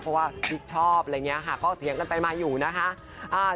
เพราะว่าคิดชอบอะไรอย่างนี้ค่ะก็เถียงกันไปมาอยู่นะคะ